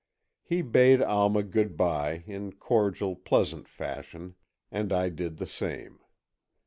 He bade Alma good bye in cordial, pleasant fashion, and I did the same.